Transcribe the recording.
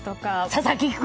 佐々木君！